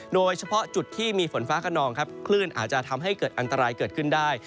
โดยเฉพาะจุดที่มีฝนฟ้าขนองครับคลื่นอาจจะทำให้เกิดอันตรายเกิดขึ้นได้